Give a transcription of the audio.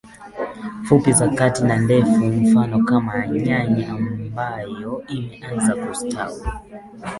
fupi za kati na ndefu Mfano Kama nyanya ambayo imeaza kusitawi